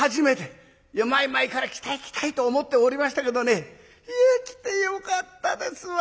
いや前々から来たい来たいと思っておりましたけどねいや来てよかったですわ！